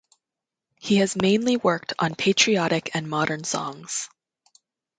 He has mainly worked on patriotic and modern songs.